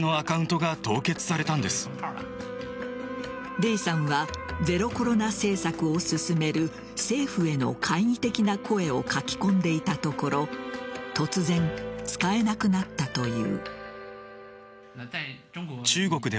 Ｄさんはゼロコロナ政策を進める政府への懐疑的な声を書き込んでいたところ突然、使えなくなったという。